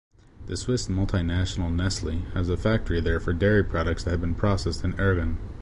The Swiss multinational Nestlé has a factory there for dairy products that have been processed in Ergun.